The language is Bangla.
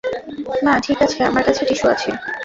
না, ঠিক আছে, আমার কাছে টিস্যু আছে।